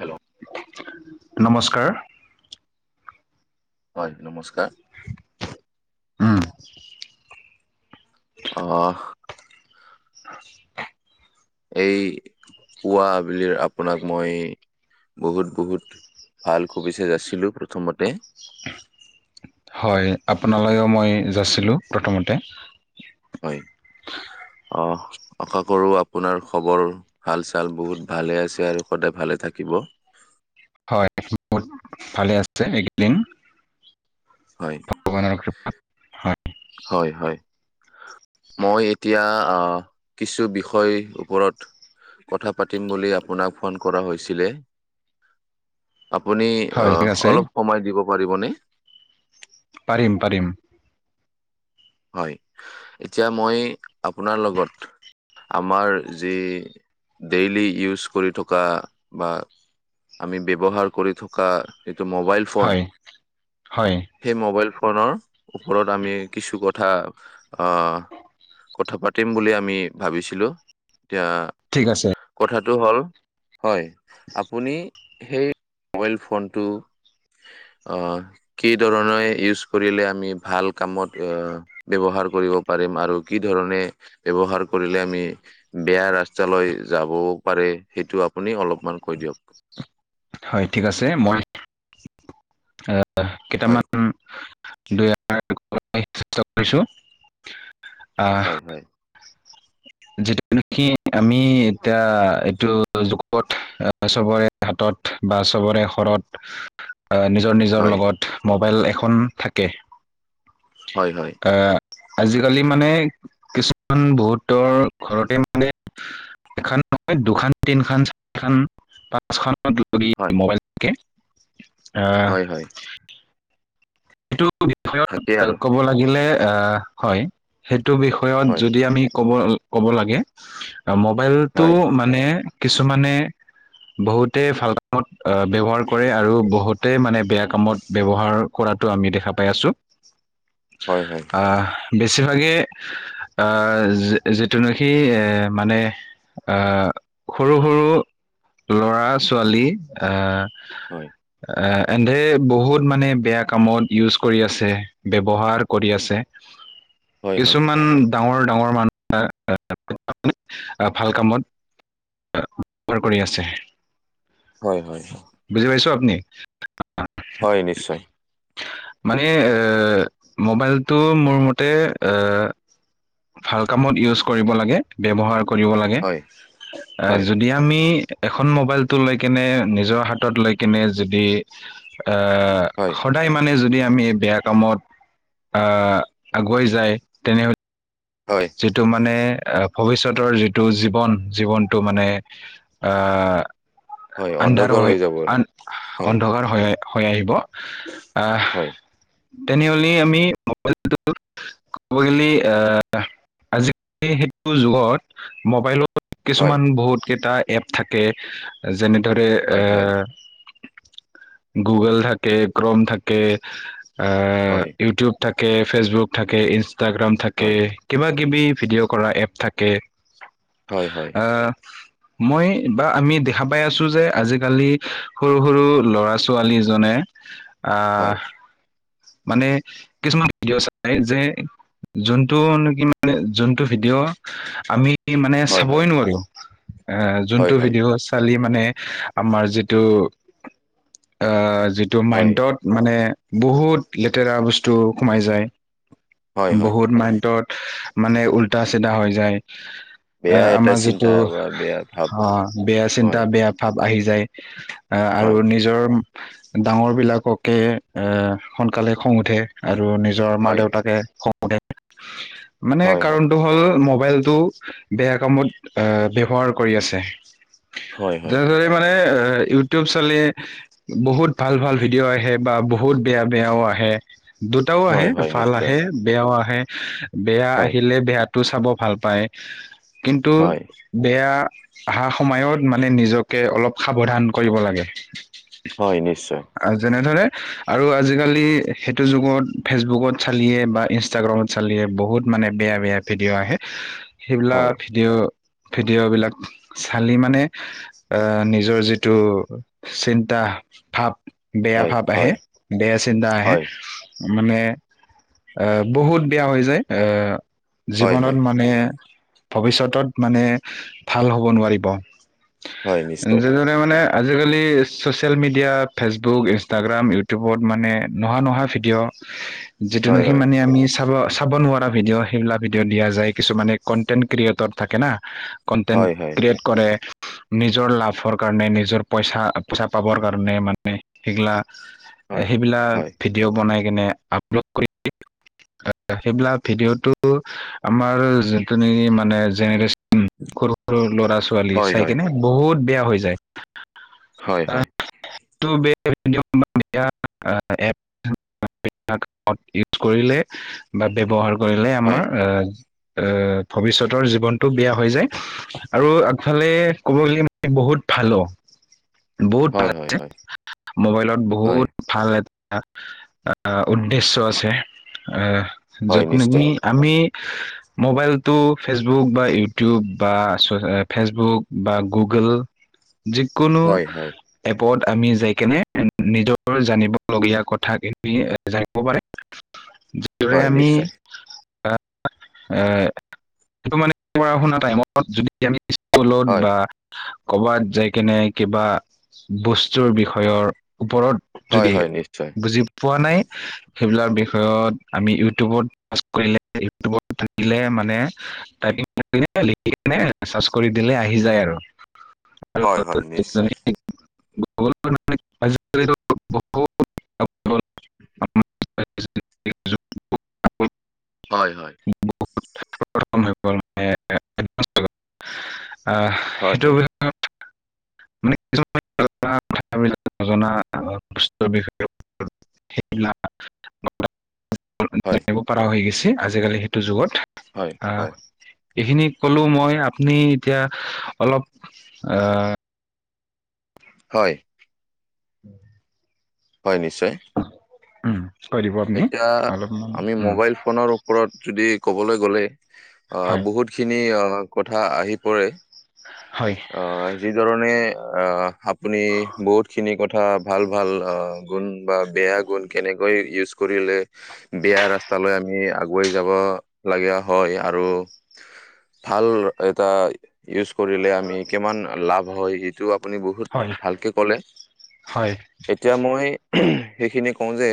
Hello নমস্কাৰ। হয় নমস্কাৰ। উম। অ'। এই পুৱা আবেলি আপোনাক মই বহুত-বহুত ভাল শুভেচ্ছা যাছিলোঁ প্ৰথমতে। হয়, আপোনালৈও মই যাছিলোঁ, প্ৰথমতে। হয়, অ'। আশা কৰোঁ আপোনাৰ খবৰ ভাল-চাল বহুত ভালে আছে, আৰু সদায় ভালে থাকিব। হয়, বহুত ভালে আছে এইকেইদিন। হয় ভগৱান কৃপাত। হয় হয়, হয়। এতিয়া আহ বিষয় ওপৰত কথা পাতিম বুলি আপোনাক ফোন কৰা হৈছিলে। আপুনি হয় ঠিক অ', আছে অলপ সময় দিব পাৰিবনে? পাৰিম, পাৰিম। হয়, এতিয়া মই আপোনাৰ লগত আমাৰ যি ডেইলি ইউজ কৰি থকা বা আমি ব্যৱহাৰ কৰি থকা এইটো মোবাইল ফোন হয়, হয়। সেই মোবাইল ফোনৰ ওপৰত আমি কিছু ক কথা, অ', কথা পাতিম বুলি আমি ভাবিছিলোঁ, এতিয়া ঠিক আছে। কথাটো হ'ল হয়, আপুনি সেই মোবাইল ফোনটো অ', কি ধৰণে ইউজ কৰিলে আমি ভাল কামত আ ব্যৱহাৰ কৰিব পাৰিম আৰু কি ধৰণে ব্যৱহাৰ কৰিলে আমি বেয়া ৰাস্তালৈ যাবও পাৰে, সেইটো আপুনি অলপমান কৈ দিয়ক। হয় ঠিক আছে, মই আহ, হয় কেইটামান দুই [unintelligible] চেষ্টা কৰিছোঁ‌, আহ হয় হয় যিটো কি আমি এতিয়া এইটো জুগত, চবৰে হাতত বা চবৰে ঘৰত, আ, নিজৰ নিজৰ হয় লগত মোবাইল এখন থাকে, হয় হয় আহ আজিকালি মানে, কিছুমান বহুতৰ ঘৰতে মানে এখন নহয়, দুখন, তিনখন, চাৰিখন, পাঁচখন হয় [unintelligible] মোবাইল থাকে, আহ হয় হয় সেইটো বিষয়ত থাকেই আৰু ক'ব লাগিলে, আহ হয়, সেইটো বিষয় বিষয়ত হয় যদি আমি ক'ব-ক'ব লাগে, মোবাইলটো হয় মানে, কিছুমানে বহুতেই ভাল কামত ব্যৱহাৰ কৰে, আৰু বহুতে মানে বেয়া কামত ব্যৱহাৰ কৰাত টো আমি দেখা পাই আছোঁ‌, হয় হয় আহ বেছিভাগে, আ, যিটো নেকি মানে আহ, সৰু সৰু ল'ৰা-ছোৱালী, আহ হয়। অ', এহতে বহুত মানে বেয়া কামত ইউজ কৰি আছে, ব্যৱহাৰ কৰি আছে, হয় হয় হয় কিছুমান ডাঙৰ ডাঙৰ মানুহে [unintelligible] আপুনি অ' ভাল কামত ব্যৱহাৰ কৰি আছে। [unintelligible] হয়, হয়। বুজি পাইছ আপুনি? হয় নিশ্চয়। মানে অ' মোবাইলটো মোৰ মতে অ' ভাল কামত ইউজ কৰিব লাগে ব্যৱহাৰ কৰিব লাগে হয় এ হয় যদি আমি এখন মোবাইলটো লৈ কেনে নিজৰ হাতত লৈ কেনে যদি অ', হয়। সদায় মানে যদি আমি বেয়া কামত অ' আগুৱাই যায় তেনে হয়। যিটো মানে আহ ভৱিষ্যতৰ যিটো জীৱন, জীৱনটো মানে আহ, হয় আন্ধাৰ অন্ধকাৰ হৈ হয় যাব আৰু আন হয় অন্ধকাৰ হয় হয় আহিব আহ হয়। তেনেহলে আমি [unintelligible] মবাইলটো ক'ব গলে আহ আজি সেইটো যুগত মোবাইলত হয় কিছুমান বহুত কেইটা এপ থাকে যেনেদৰে হয় হয় অ' গুগল থাকে, ক্ৰম থাকে আহ হয় ইউটিউব থাকে ফেচবুক থাকে ইনষ্টাৰগাম থাকে। হয় কিবা কিবি ভিডিঅ' কৰা এপ থাকে। হয়, হয়। আহ মই বা আমি দেখা পাই আছো যে আজিকালি সৰু, সৰু ল'ৰা-ছোৱালী জনে [inaudible] আহ মানে কিছুমান [unintelligible] ভিডিঅ' চাই যে যোনটো মানে যোনটো ভিডিঅ' আমি মানে হয় হয় চাবই নোৱাৰো। এ হয়, যোনতটো হয়, ভিডিঅ' আজিকালি মানে আমাৰ যিটো অ' যিটো হয়, মাইণ্ডত মানে বহুত লেতেৰা বস্তু সোমাই হয়, হয়, বহুত মাইণ্টত মানে উল্টা চিধা হৈ যায়। এ বেয়া এটা আমাৰ চিন্তা যিটো বা বেয়া ভাৱ অ' বেয়া চিন্তা হয়, বেয়া ভাৱ আহি যায় আৰু হয়, নিজৰ ডাঙৰ বিলাককে এ সোনকালে খং আৰু নি নিজৰ হয়, মা-দেউতাকে মানে হয়, হয়, কাৰণটো হ'ল মোবাইলতটো বেয়া কামত আহ ব্যৱহাৰ কৰি আছে। হয়, হয়, হয়, যেনেদৰে মানে ইউটিউব চলে। বহুত ভাল, ভাল ভিডিঅ' আহে বা বহুত বেয়া, বেয়াও আহে। দুটাও হয়, আহে হয়, ভাল নিশ্চয়, আহে বেয়াও আহে বেয়া হয়, আহিলে বেয়া চাব ভাল পায় কিন্তু হয়, বেয়া আহা সময়ত মানে নিজকে অলপ সাৱধান কৰিব লাগে। হয় নিশ্চয়। আহ, যেনেদৰে আৰু আজিকালি সেইটো যুগত ফেচবুকত চালিয়ে বা ইনষ্টাগ্ৰামত চালিয়ে। বহুত মানে বেয়া বেয়া ভিডিঅ' আহে হয়, সেইবিলাক ভিডিঅ' -ভিডিঅ'বিলাক চালি মানে আহ নিজৰ যিটো চিন্তা, ভাৱ বেয়া হয়, ভাব আহে, হয়, বেয়া চিন্তা আহে হয়, মানে, আহ বহুত বেয়া হৈ যায়, আহ হয়, জীৱনত হয়, মানে ভৱিষ্যতত মানে ভাল হ'ব নোৱাৰিব, হয়, নিশ্চয়, যি জনে মানে আজিকালি ছচিয়েল মিডিয়া, ফেচবুক, ইষ্টাগ্ৰাম, ইউটিউবত মানে নহা নহা ভিডিঅ' [unintelligible] যিটো নেকি হয়, মানে আমি চাব, চাব নোৱা ৰা ভিডিঅ' সেইবিলাক ভিডিঅ দিয়া যায়। কিছুমানে কনটেন্ট ক্ৰিয়েটৰ থাকে না, কনটেন্ট হয়, হয়, ক্ৰিয়েট কৰে নিজৰ লাভৰ কাৰণে, নিজৰ পইচা -পইচা পাবৰ কাৰণে মানে সেইগিলা হয়, সেইবিলাক হয়, ভিডিঅ' বনাই কেনে আপলড কৰি আ আক সেইবিলাক ভিডিঅ'টো, আমাৰ যোনটো নেকি মানে জেনেৰেচন উম, সৰু- সৰু ল'ৰা-ছোৱালী হয়, হয়, চাই হয়, কিনে বহুত বেয়া হৈ যায়। হয় হয়। সেইটো [unintelligible] [unintelligible] ইউজ কৰিলে বা ব্যৱহাৰ কৰিলে হয়, হয়, আমাৰ এ, এ ভৱিষ্যতৰ জীৱনটো বেয়া হৈ যায় আৰু আগফালে ক'ব গ'লে মানে বহুত ভালো। বহুত ভাল হয়, হয়, যেনে হয়, মোবাইলত বহুত ভাল এটা, আ উদ্দেশ্য আছে, আ হয়, য'ত নিশ্চয়, নেকি আমি মোবাইলটো ফেচবুক বা ইউটিউব বা চ ফেচবুক বা গুগল [inaudible] যিকোনো হয়, হয়, এপত আমি যাই কেনে এ নিজৰ জানিব লগীয়া কথাখিনি জানিব পাৰে। [inaudible] ৰে হয়, আমি, নিশ্চয়, [unintelligible] মানে পঢ়া-শুনা টাইমত যদি আমি স্কুলত হয়, বা কৰ'বাত যাই কেনে কিবা বস্তুৰ বিষয়ৰ, ওপৰত হয়, যদি, হয়, নিশ্চয়, বুজি পোৱা নাই সেইবিলাক বিষয়ত, আমি ইউটিউবত পোষ্ট কৰিলে, ইটিউবত থাকিলে মানে [unintelligible] লিখিকেনে চাৰ্ছ কৰি দিলে আহি যায় আৰু। হয়, হয়, নিশ্চয়, [unintelligible] [unintelligible] হয় হয়। [unintelligible] আহ হয় সেইটো হয়। বিষয়ে [unintelligible] [unintelligible] [inaudible] [unintelligible] হয়, জানিব পৰা হৈ গৈছে আজিকালি সেইটো যুগত হয়, আহ। হয়, এইখিনি কলো মই, আপুনি এতিয়া অলপ আহ হয়। [inaudible] হয় নিশ্চয় উম। কৈ দিব আপুনি এতিয়া অলপমান আমি উম, মোবাইল ফোনৰো ওপৰত যদি ক'বলৈ গ'লে আ, হয়, বহুতখিনি আ, কথা আহি পৰে। হয়। আ, যি ধৰণে আ, আপুনি বহুতখিনি কথা ভাল ভাল আ, গুণ বা বেয়া গুণ কেনেকৈ ইউচ কৰিলে বেয়া ৰাস্তালৈ আমি আগুৱাই যাব লাগা হয় আৰু ভাল এটা ইউচ কৰিলে আমি এ, কিমান লাভ হয় সেইটো আপুনি বহুত হয়, ভালকে ক'লে হয়, সেট এতিয়া মই সেইখিনি কওঁ যে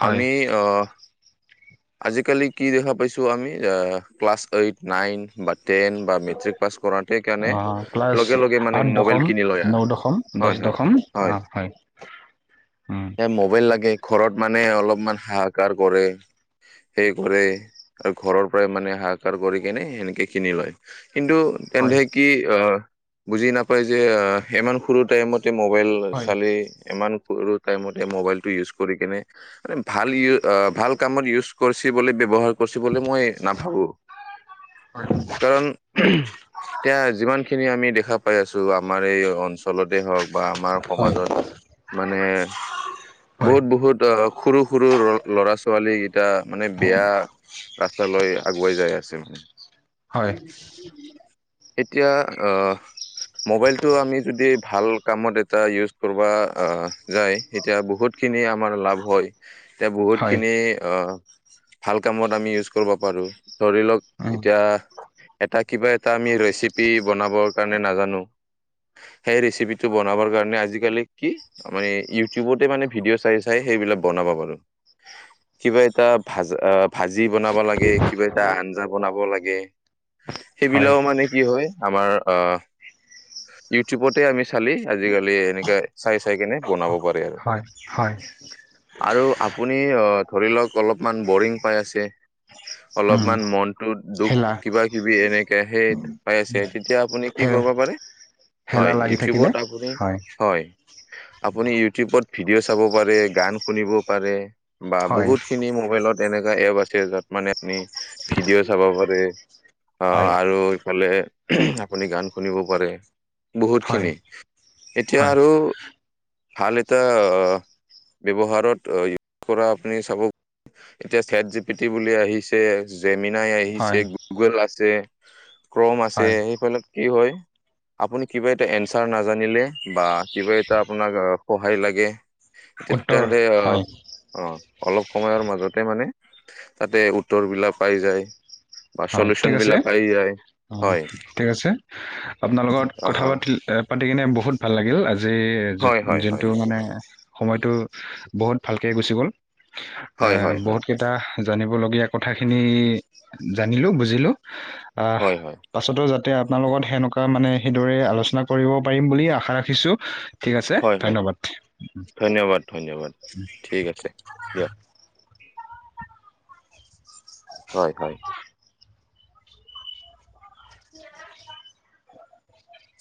হয়। আমি অ', আজিকালি কি দেখা পাইছোঁ আমি আ, class eight, nine but ten বা মেট্ৰিক পাছ কৰাতেইকাৰণে আহ, ক্লাছ আঠ দশম, ন আৰু দশম, হয় দছ হয় দশম অ', হয়। উম। এ, মবাইল লাগে ঘৰত মানে অলপমান হাহাকাৰ কৰে। সেই কৰে আৰু ঘৰৰ পৰাই মানে হাহাকাৰ কৰি কেনে সেনেকে কিনি লয়। কিন্তু তেন্ধে কি আ, বুজি নাপায় যে আ, ইমান সৰু টাইমতে মবাইল ক হয়, ছালী ইমান সৰুত টাইমতে মবাইলটো ইউচ কৰি কেনে মানে ভাল ইএ আ, ভাল কামত ইউচ কৰিছে বুলি ব্যৱহাৰ পচিবলে মই নাভাবোঁ কাৰণ তিয়া যিমান খিনি আমি দেখা পাই আছোঁ আমাৰ এই অঞ্চলতে হওঁক বা আমাৰ হয়, সমাজত মানে হয়, বহুত বহুত আ, খৰু সৰু [unintelligible] ল'ৰা ছোৱালী গিটা মানে বেয়া ৰাস্ত লৈ আগুৱাই যাই আছে মানে হয়, তেতিয়া আ মোবাইলটো আমি যদি ভাল কামত এটা ইউচ কৰিবা আ, যায় সেতিয়া বহুত খিনি আমাৰ লাভ হয়। তিয়া বহুত হয়, খিনি অ', ভাল কামত আমি ইউচ কৰিব পাৰোঁ। ধৰি লক উম, এতিয়া এটা কিবা এটা আমি ৰেচিপি বনাবৰ কাৰণে নাজানো সেই ৰেচিপিটো বনাবৰ কাৰণে আজিকালি কি মানে ইউটিউবতে মানে ভিডিঅ' চাই চাই সেইবিলাক বনাব পাৰোঁ। কিবা এটা ভাজ আ, ভাজি বনাব লাগে কিবা এটা আঞ্জা বনাব লাগে হয়, সেইবিলাকো মানে কি হয় আমাৰ আ ইউটিউবতে আমি চালি আজিকালি এনেকা চাই চাই কেনে বনাব পাৰে আৰু। হয় হয়। আৰু আপুনি অ', ধৰি লওঁক অলপমান বৰিং পাই আছে উম, অলপমান মনটো দুখ হেলা কিবা কিবি এনেকে সেইত [unintelligible] তেতিয়া আপুনি কি হে কৰিব পাৰে হেলা হয় লাগি থাকিলে ইউঠিউবত আপুনি হয় আপুনি ইউটিউবত ভিডিঅ' চাব পাৰে, গান শুনিব পাৰে। বা হয়, বহুত খিনি মোবাইলত এনেকুৱা এপ আছে যাত মানে আপুনি ভিডিঅ' চাব পাৰে। হয়, অ', আৰু ইফালে আপুনি গান শুনিব পাৰে। বহুত খিনি হয়, এতিয়া হয়, আৰু ভাল এটা অ', ব্যৱহাৰত অ', ইউচ কৰা আপুনি চাব এতিয়া চেট জি পিটি বুলি আহিছে। সেয়ে জেমিনাই আহিছে, হয়, গুগল আছে, ক্ৰ'ম আছে হয়, সেইফালে কি হয়? আপুনি কিবা এটা এঞ্চাৰ নাজানিলে বা কিবা এটা আপোনাক আ-সহায় লাগে [unintelligible] উত্তৰ তেন্তে অ হয়, অ', অলপ সময়ৰ মাজতে মানে তাতে উত্তৰ বিলাক পাই যায়। বা হয়, চলিউচন ঠিক আছে, বিলাক পাই যায়। অ', হয় ঠিক আছে। আপোনাৰ লগত অ কথা পাতিল এ পাতি কিনে বহুত ভাল লাগিল আজি হয় যোন হয় হয় যোনটো মানে সময়টো বহুত ভালকে গুচি গ'ল। এ হয় হয় হয় বহুতকে টা জানিবলগীয়া কথাখিনি জানিলোঁ, বুজিলোঁ আহ হয় হয় পাছটো যাতে আপনাৰ লগত সেনেকুৱা মানে সেইদৰে আলোচনা কৰিব পাৰিম বুলি আশা ৰাখিছোঁ ঠিক আছে, হয় হয় ধন্যবাদ। ধন্যবাদ ধন্যবাদ, ঠিক আছে। দিয়ক হয়, হয়।